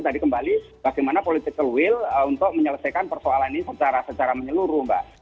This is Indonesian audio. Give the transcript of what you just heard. tadi kembali bagaimana political will untuk menyelesaikan persoalan ini secara menyeluruh mbak